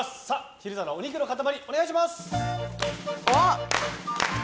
昼太郎、お肉の塊お願いします。